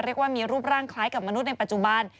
เรียกว่ามีรูปร่างคล้ายกับมนุษย์ในปัจจุบัน